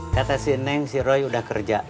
kata si neng si roy udah kerja